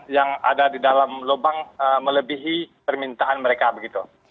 yang ada di dalam lubang melebihi permintaan mereka begitu